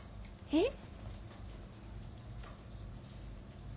えっ？